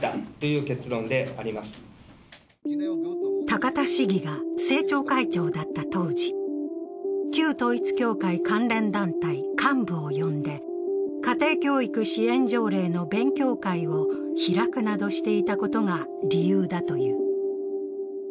高田市議が政調会長だった当時、旧統一教会関連団体幹部を呼んで、家庭教育支援条例の勉強会を開くなどしていたことが理由だという。